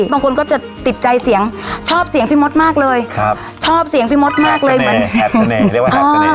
บางคนก็จะติดใจเสียงชอบเสียงพี่มดมากเลยครับชอบเสียงพี่มดมากเลยเรียกว่า